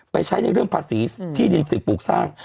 ใช้ในเรื่องภาษีที่ดินสิ่งปลูกสร้าง